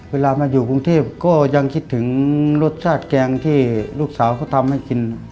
เวลามาอยู่กรุงเทพก็ยังคิดถึงรสชาติแกงที่ลูกสาวเขาทำให้กิน